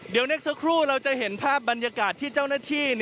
เดี๋ยวนักสักครู่เราจะเห็นภาพบรรยากาศที่เจ้าหน้าที่